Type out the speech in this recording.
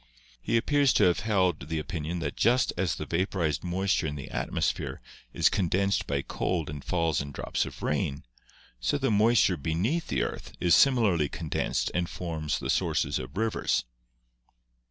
He appears to have held the opinion that just as the vapor ized moisture in the atmosphere is condensed by cold and falls in drops of rain, so the moisture beneath the earth is similarly condensed and forms the sources of rivers.